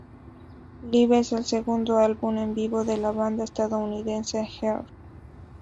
Live es el segundo álbum en vivo de la banda estadounidense Heart.